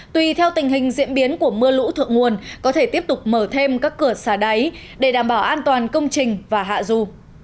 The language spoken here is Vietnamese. tùy theo tình hình diễn biến của mưa lũ thượng nguồn có thể tiếp tục mở thêm các cửa xả đáy để đảm bảo an toàn công trình và hạ du